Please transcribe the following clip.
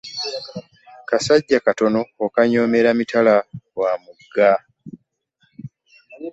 Kasajja katono okanyomera mitala wa mugga.